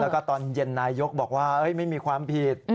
แล้วก็ตอนเย็นนายยกบอกว่าไม่มีความผิด